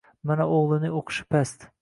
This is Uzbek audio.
Mana o‘g‘lining o‘qishi past.